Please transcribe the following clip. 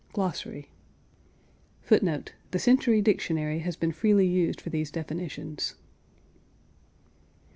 GLOSSARY [Footnote: The Century Dictionary has been freely used for these definitions.